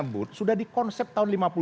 bu sudah di konsep tahun lima puluh tujuh